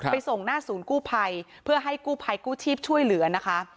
ส่งหน้าศูนย์กู้ภัยเพื่อให้กู้ภัยกู้ชีพช่วยเหลือนะคะ